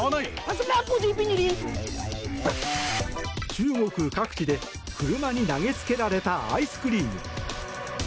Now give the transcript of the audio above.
中国各地で車に投げつけられたアイスクリーム。